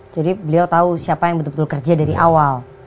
jadi beliau tahu siapa yang betul betul kerja dari awal